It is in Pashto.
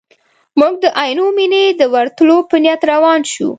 موږ د عینو مینې ته د ورتلو په نیت روان شوو.